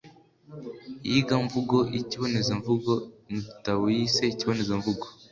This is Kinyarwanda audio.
iyigamvugo by’ikibonezamvugo mu gitabo yise Ikibonezamvugo